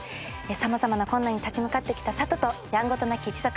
様々な困難に立ち向かってきた佐都とやんごとなき一族。